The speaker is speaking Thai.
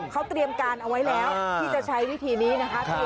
เขาเตรียมการเอาไว้แล้วที่จะใช้วิธีนี้นะคะ